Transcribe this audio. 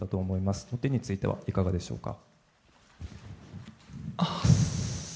その点についてはいかがでしょうか。